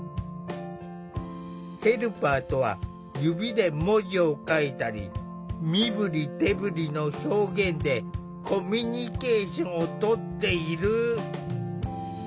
ヘルパーとは指で文字を書いたり身振り手振りの表現でコミュニケーションをとっている。